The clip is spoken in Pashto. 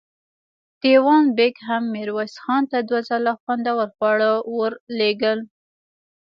دېوان بېګ هم ميرويس خان ته دوه ځله خوندور خواړه ور لېږل.